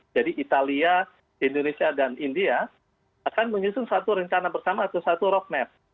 jadi italia indonesia dan india akan menyusun satu rencana bersama atau satu roadmap